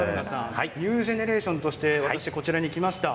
ニュージェネレーションとしてこちらに来ました。